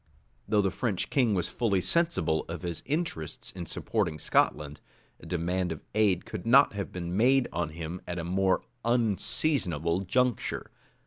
Though the French king was fully sensible of his interest in supporting Scotland, a demand of aid could not have been made on him at a more unseasonable juncture.